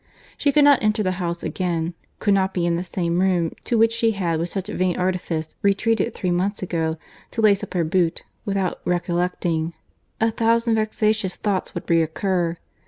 She could not enter the house again, could not be in the same room to which she had with such vain artifice retreated three months ago, to lace up her boot, without recollecting. A thousand vexatious thoughts would recur.